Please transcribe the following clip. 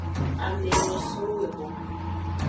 Ame nyo sowu eho.